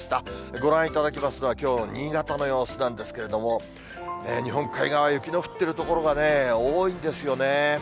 ご覧いただきますのは、きょうの新潟の様子なんですけれども、日本海側、雪の降ってる所がね、多いんですよね。